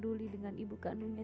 dulu perempuan itu